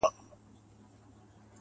• انسان حیوان دی، حیوان انسان دی.